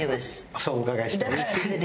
そうお伺いして。